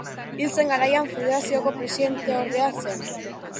Hil zen garaian federazioko presidenteordea zen.